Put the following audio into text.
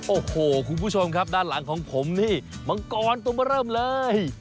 โอ้โหคุณผู้ชมครับด้านหลังของผมนี่มังกรตัวมาเริ่มเลย